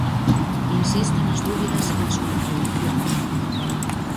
Insisto nas dúbidas e as contradicións.